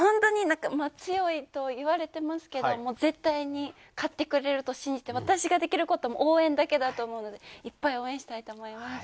強いと言われてますけれども、絶対に勝ってくれると信じて、私ができることは応援だけだと思うので、いっぱい応援したいと思います。